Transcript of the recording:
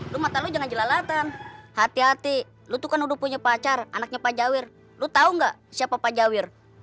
lu mata lu jangan jelalatan hati hati lu tuh kan udah punya pacar anaknya pak jawir lo tau gak siapa pak jawir